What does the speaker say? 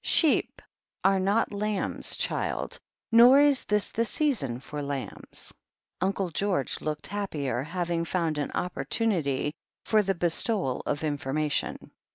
Sheep are not lambs, child — nor is this the season for lambs." Uncle George looked happier, having found an opportunity for the bestowal of information.